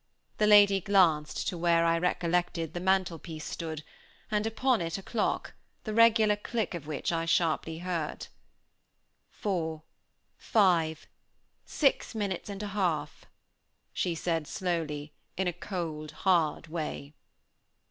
The lady glanced to where, I recollected, the mantel piece stood, and upon it a clock, the regular click of which I sharply heard. "Four five six minutes and a half," she said slowly, in a cold hard way.